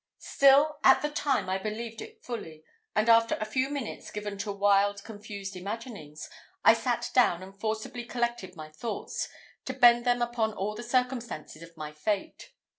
Still, at the time I believed it fully; and, after a few minutes given to wild, confused imaginings, I sat down and forcibly collected my thoughts, to bend them upon all the circumstances of my fate.